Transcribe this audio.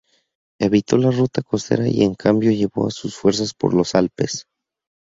Evitó la ruta costera y, en cambio, llevó a sus fuerzas por los Alpes.